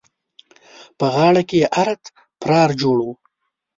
په غاړه کې يې ارت پرار جوړ وو.